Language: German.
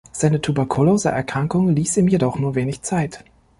Seine Tuberkuloseerkrankung ließ ihm jedoch nur wenig Zeit.